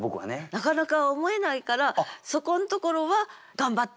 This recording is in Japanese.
なかなか思えないからそこんところは頑張ってる。